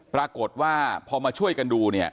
ปรากฏว่าพอมาช่วยกันดู